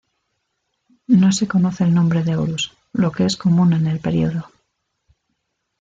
No se conoce el nombre de Horus, lo que es común en el período.